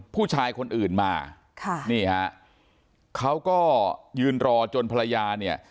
ผู้ชายคนอื่นมาค่ะนี่ฮะเขาก็ยืนรอจนภรรยาเนี่ย